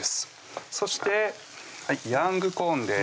そしてヤングコーンです